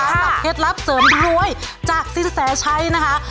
เคล็ดลับเสริมรวยจากสินแสชัยนะคะ